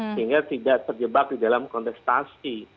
sehingga tidak terjebak di dalam kontestasi